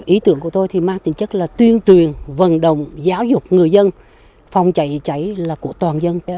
ý tưởng của tôi thì mang tính chất là tuyên truyền vận động giáo dục người dân phòng cháy cháy là của toàn dân